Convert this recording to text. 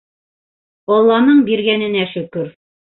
Алланың биргәненә шөкөр.